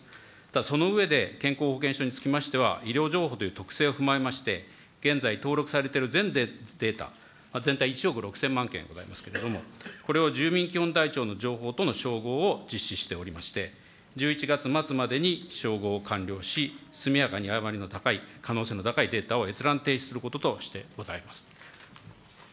その上で、健康保険証につきましては、医療情報という特性を踏まえまして、現在、登録されている全データ、全体１億６０００万件ございますけれども、これを住民基本台帳の情報との照合を実施しておりまして、１１月末までに照合を完了し、速やかに誤りの高い、可能性の高いデータを閲覧停止することとしております。